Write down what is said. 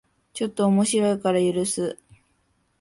ちょっと面白いから許す